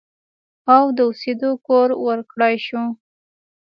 او د اوسېدو کور ورکړی شو